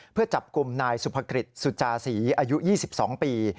เพื่อจับกลุ่มนายสุภกฤษสุจาศีอายุ๒๒ปี